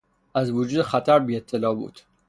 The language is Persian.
از وجود خطر بیاطلاع بود.